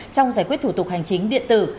trong giải quyết thủ tục hành chính điện tử